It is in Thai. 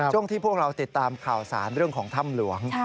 ช่วงที่พวกเราติดตามข่าวสารเรื่องของถ้ำหลวง